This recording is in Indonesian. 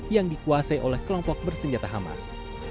yang dikuasai oleh kelompok bersenjata hamas